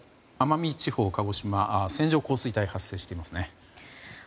鹿児島の奄美地方では線状降水帯が発生していますね。